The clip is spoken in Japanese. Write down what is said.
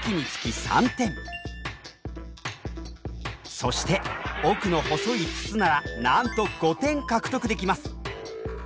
そして奥の細い筒ならなんと５点獲得できます。